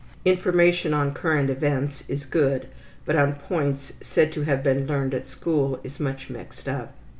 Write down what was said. Information on current events is good, but on points said to have been learned at school is much mixed up.